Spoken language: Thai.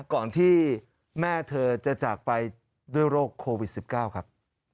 ก่อนที่แม่เธอจะจากไปด้วยโรคโควิด๑๙ครับ